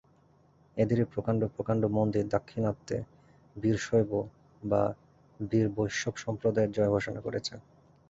এদেরই প্রকাণ্ড প্রকাণ্ড মন্দির দাক্ষিণাত্যে বীরশৈব বা বীরবৈষ্ণবসম্প্রদায়ের জয় ঘোষণা করেছে।